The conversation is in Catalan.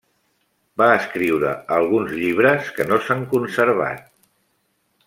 Va escriure alguns llibres que no s'han conservat.